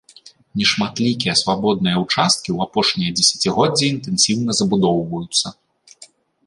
Нешматлікія свабодныя ўчасткі ў апошняе дзесяцігоддзе інтэнсіўна забудоўваюцца.